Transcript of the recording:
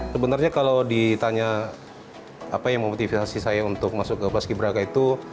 sebenarnya kalau ditanya apa yang memotivasi saya untuk masuk ke paski beraka itu